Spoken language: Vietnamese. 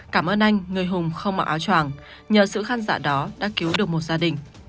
cảm ơn anh người hùng không mặc áo tràng nhờ sự khán giả đó đã cứu được một gia đình